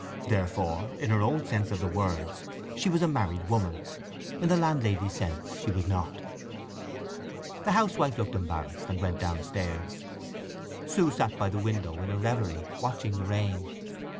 Therefore, though in her own sense of the words she was a married woman, in the landlady's sense she was not. The housewife looked embarrassed, and went downstairs. Sue sat by the window in a reverie, watching the rain.